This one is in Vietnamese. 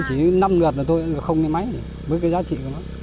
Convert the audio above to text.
chỉ năm lượt là tôi không lấy máy với cái giá trị của nó